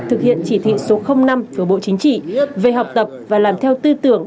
thực hiện chỉ thị số năm của bộ chính trị về học tập và làm theo tư tưởng